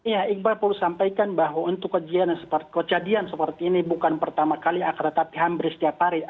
ya iqbal perlu sampaikan bahwa untuk kejadian seperti ini bukan pertama kali akratapi humbri setiap hari